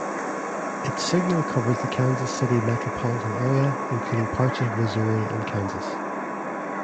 Its signal covers the Kansas City metropolitan area, including parts of Missouri and Kansas.